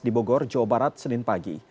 di bogor jawa barat senin pagi